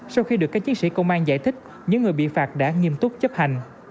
sau khi được các chiến sĩ công an giải thích những người bị phạt đã nghiêm túc chấp hành